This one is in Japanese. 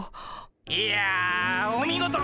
いやお見事！